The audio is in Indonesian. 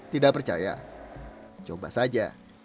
tidak percaya coba saja